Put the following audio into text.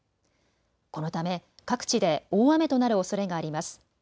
このため各地で大雨となるおそれがあります。